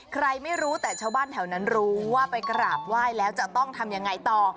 ใครไม่รู้แต่ชาวบ้านแถวนั้นรู้ว่าไปกราบไหว้แล้วจะต้องทำยังไงต่อ